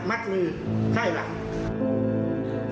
มัดมือไข้หลัก